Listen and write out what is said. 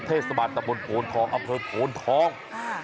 เทศบาลตะบนโพนทองอำเภอโพนทอง